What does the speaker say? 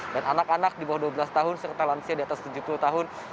dan anak anak di bawah dua belas tahun serta lansia di atas tujuh puluh tahun